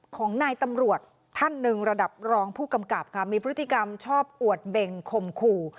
ของนายตำรวจท่านหนึ่งระดับรองผู้กำกับค่ะมีพฤติกรรมชอบอวดเบ่งคมขู่